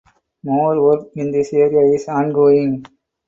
More work in this area is ongoing.